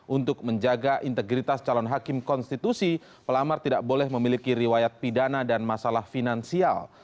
untuk menjaga integritas calon hakim konstitusi pelamar tidak boleh memiliki riwayat pidana dan masalah finansial